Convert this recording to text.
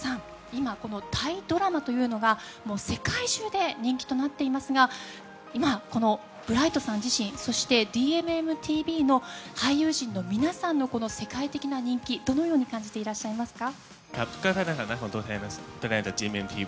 今、タイドラマというのが世界中で人気となっていますが今、このブライトさん自身そしてＧＭＭＴＶの俳優陣の皆さんの世界的な人気どのように感じていらっしゃいますか。